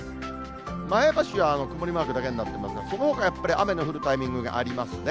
前橋は曇りマークだけになっていますが、そのほか、やっぱり雨の降るタイミングがありますね。